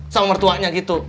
sama mertuanya gitu